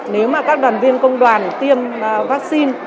nếu mà các đoàn viên công đoàn tiêm vaccine